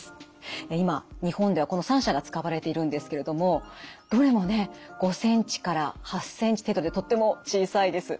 今日本ではこの３社が使われているんですけれどもどれもね５センチから８センチ程度でとっても小さいです。